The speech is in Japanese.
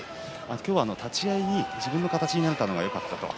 今日は立ち合い自分の形になれたのがよかった。